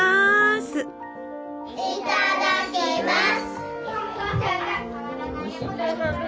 いただきます！